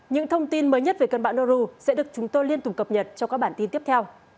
những thông tin mới nhất về cân bạo noru sẽ được chúng tôi liên tục cập nhật trong các bản tin tiếp theo